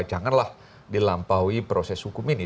janganlah dilampaui proses hukum ini